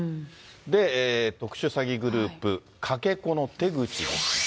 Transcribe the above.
で、特殊詐欺グループ、かけ子の手口ですが。